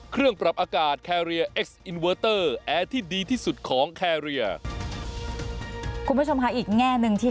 คุณผู้ชมค่ะอีกแง่หนึ่งที่